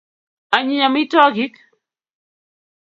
anyiny amitwagik